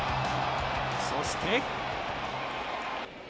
そして。